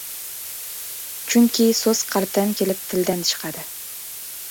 Chunki so‘z qalbdan kelib, tildan chiqadi.